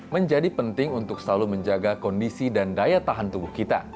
menjadi penting untuk selalu menjaga kondisi dan daya tahan tubuh kita